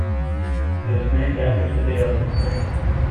It was named after Seville, in Spain.